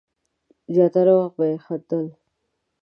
زیاتره وخت به یې خندل.